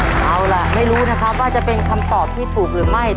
เอาล่ะไม่รู้นะครับว่าจะเป็นคำตอบที่ถูกหรือไม่